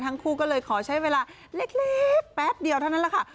ทั้งคู่ก็เลยขอใช้เวลาเล็กแป๊บเดียวเท่านั้นแหละค่ะ